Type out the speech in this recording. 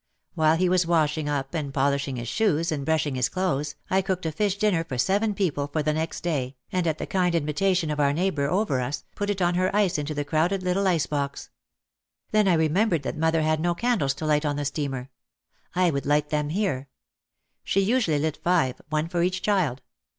While he was washing up and polishing his shoes, and brushing his clothes, I cooked a fish dinner for seven people for the next day, and at the kind invitation of our neigh bour over us, put it on her ice into the crowded little ice box. Then I remembered that mother had no candles to light on the steamer. I would light them here. She usually lit five, one for each child.